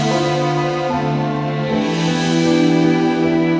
aku nampak lo baik banget sama gue